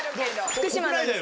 福島です。